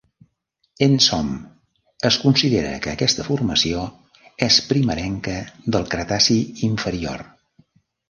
Ensom, es considera que aquesta formació és primerenca del Cretaci inferior.